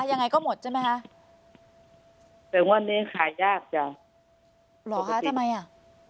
ยังไงก็หมดใช่ไหมคะแต่วันนี้ขายยากจ้ะหรอคะทำไมอ่ะ